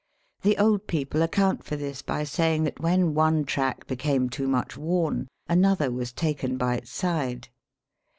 The old people account for this by saying that when one track became too much worn another was taken by its side.